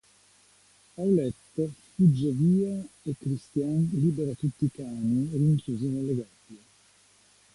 Paulette fugge via e Christiane libera tutti i cani rinchiusi nelle gabbie.